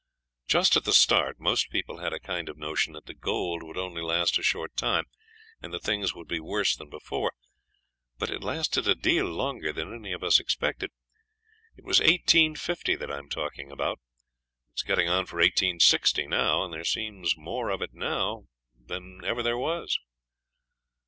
Just at the start most people had a kind of notion that the gold would only last a short time, and that things would be worse than before. But it lasted a deal longer than any of us expected. It was 1850 that I'm talking about. It's getting on for 1860 now, and there seems more of it about than ever there was.